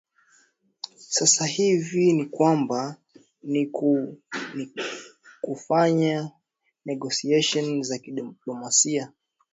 sasa hivi ni kwamba niku nikufanya negotiation za kidiplomasia